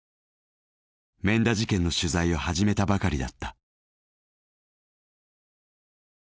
免田事件の取材を始めたばかりだった。